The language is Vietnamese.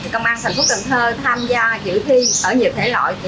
công an thành phố cần thơ tham gia giữ thi ở nhiều thể loại